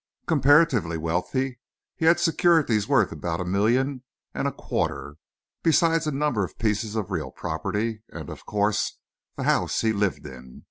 "Comparatively wealthy. He had securities worth about a million and a quarter, besides a number of pieces of real property and, of course, the house he lived in.